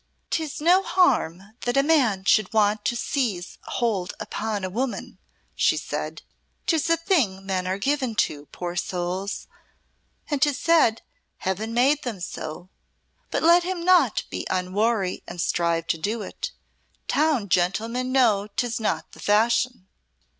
"'Tis no harm that a man should want to seize hold upon a woman," she said; "'tis a thing men are given to, poor souls, and 'tis said Heaven made them so; but let him not be unwary and strive to do it. Town gentlemen know 'tis not the fashion."